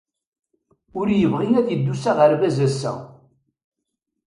Ur yebɣi ad yeddu s aɣerbaz ass-a.